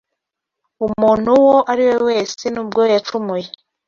Umuntu uwo ari we wese, nubwo yacumuye